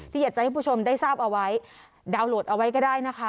อยากจะให้ผู้ชมได้ทราบเอาไว้ดาวน์โหลดเอาไว้ก็ได้นะคะ